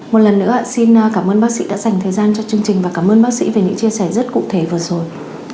một lần nữa xin cảm ơn bác sĩ đã dành thời gian cho chương trình và cảm ơn bác sĩ về những chia sẻ rất cụ thể vừa rồi